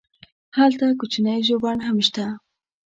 هلته کوچنی ژوبڼ هم شته.